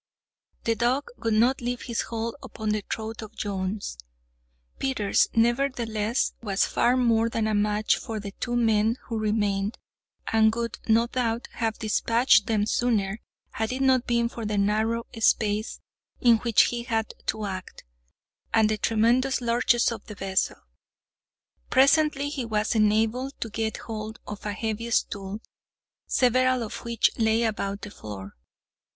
The dog would not leave his hold upon the throat of Jones—Peters, nevertheless, was far more than a match for the two men who remained, and would, no doubt, have dispatched them sooner, had it not been for the narrow space in which he had to act, and the tremendous lurches of the vessel. Presently he was enabled to get hold of a heavy stool, several of which lay about the floor.